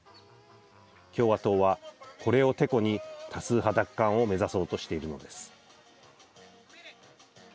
共和党は、これをてこに多数派奪還を目指そうとしているのです。